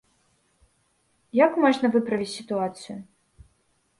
Як можна выправіць сітуацыю?